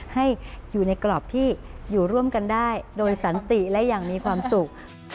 ให้อยู่ในกรอบที่อยู่ร่วมกันได้โดยสันติและอย่างมีความสุข